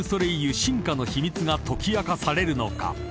進化の秘密が解き明かされるのか？］